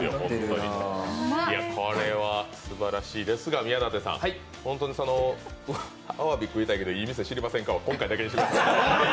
これはすばらしいですが宮舘さん、あわび食いたいけどいい店、知りませんか？は今回だけにしてください。